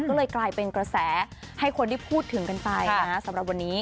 ก็เลยกลายเป็นกระแสให้คนที่พูดถึงกันไปนะสำหรับวันนี้